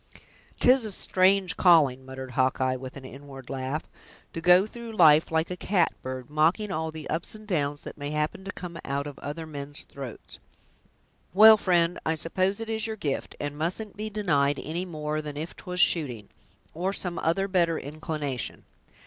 "'Tis a strange calling!" muttered Hawkeye, with an inward laugh, "to go through life, like a catbird, mocking all the ups and downs that may happen to come out of other men's throats. Well, friend, I suppose it is your gift, and mustn't be denied any more than if 'twas shooting, or some other better inclination.